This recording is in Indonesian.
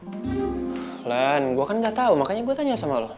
ulan gua kan gak tahu makanya gue tanya sama lo